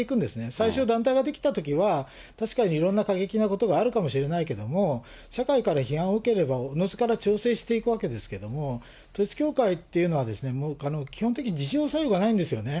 最初、団体が出来たときは、確かにいろんな過激なことがあるかもしれないけど、社会から批判を受ければ、おのずから調整していくわけですけれども、統一教会というのは、基本的に自浄作用がないんですよね。